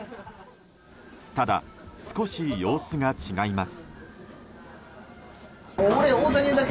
ただ、少し様子が違います。